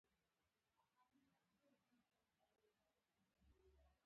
• مینه د زړۀ خلاصون دی.